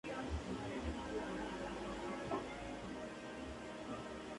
Profesor del Departamento de Filosofía y Estudios Religiosos de la Universidad Nacional "Kyiv-Mohyla".